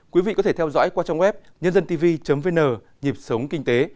quý vị có thể theo dõi qua trong web nhândântv vn nhiệm sống kinh tế